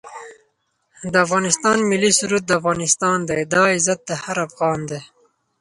د افغانستان ملي سرود دا افغانستان دی دا عزت هر افغان دی